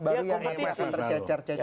baru yang akan tercecar